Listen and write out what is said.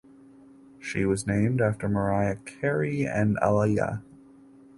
She was named after Mariah Carey and Aaliyah.